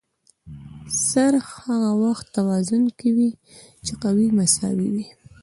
څرخ هغه وخت توازن کې وي چې قوې مساوي وي.